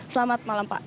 selamat malam pak